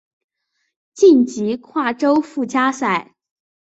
晋级跨洲附加赛。